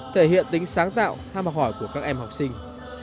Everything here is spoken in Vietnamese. thể hiện tính sáng tạo ham học hỏi của các em học sinh